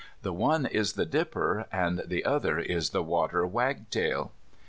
The one is the dipper, and the other is the water wagtail.